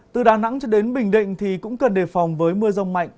từ đà nẵng cho đến bình định thì cũng cần đề phòng với mưa rông mạnh